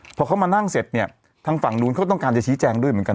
พอเขามานั่งเสร็จเนี่ยทางฝั่งนู้นเขาก็ต้องการจะชี้แจงด้วยเหมือนกัน